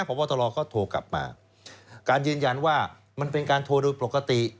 พบตรก็โทรกลับมาการยืนยันว่ามันเป็นการโทรโดยปกติ